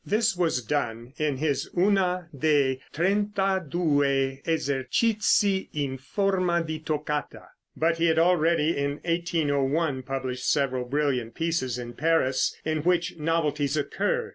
This was done in his "Una de 32 Esercizi in Forma di Toccata," but he had already, in 1801, published several brilliant pieces in Paris, in which novelties occur.